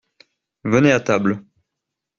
Venez à table.